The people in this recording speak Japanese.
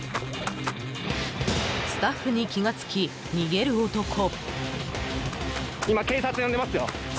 スタッフに気が付き、逃げる男。